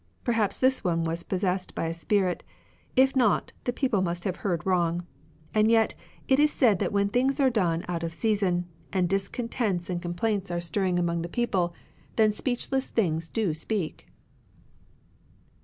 Perhaps this one was possessed by a spirit. If not, the people must have heard wrong. And yet it is said that when tilings are done out of season, and discontents and complaints are 38 CONFUCIANISM stirring among the people, then speechless things do speak."